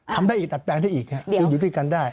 ทำได้อีกดัดแปลงได้อีกยังอยู่ด้วยกันได้